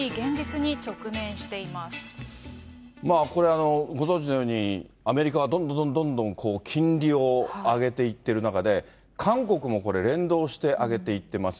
まあこれ、ご存じのように、アメリカがどんどんどんどん金利を上げていってる中で、韓国もこれ、連動して上げていってます。